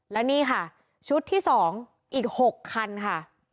และนี่ค่ะชุดที่๒อีก๖คันค่ะ